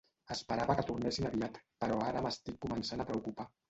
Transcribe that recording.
Esperava que tornessin aviat, però ara m'estic començant a preocupar.